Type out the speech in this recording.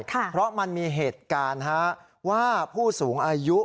เพราะมันมีเหตุการณ์ว่าผู้สูงอายุ